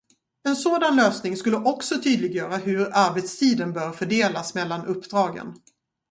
En sådan lösning skulle också tydliggöra hur arbetstiden bör fördelas mellan uppdragen.